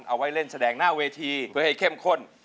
เอาไว้เล่นแสดงหน้าเวทีเพื่อให้เข้มข้น